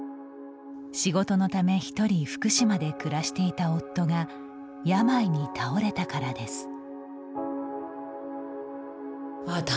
仕事のため１人、福島で暮らしていた夫が病に倒れたからです。